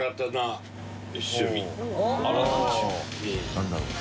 何だろう？